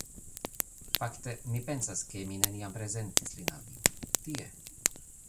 Fakte, mi pensas, ke mi neniam prezentis lin al vi. Tie!